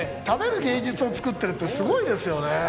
食べる芸術を作っているってすごいですよね。